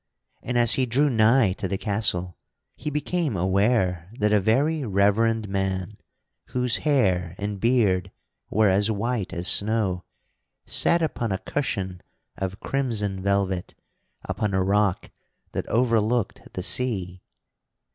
And as he drew nigh to the castle he became aware that a very reverend man, whose hair and beard were as white as snow, sat upon a cushion of crimson velvet upon a rock that overlooked the sea.